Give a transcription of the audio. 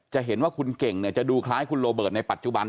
จะเห็นว่าคุณเก่งจะดูคล้ายคุณโรเบิร์ตในปัจจุบัน